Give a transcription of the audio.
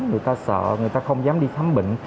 người ta sợ người ta không dám đi khám bệnh